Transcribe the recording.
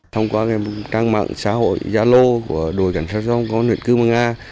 thông qua trang mạng xã hội gia lô của đội cảnh sát giao thông công an huyện cư mường a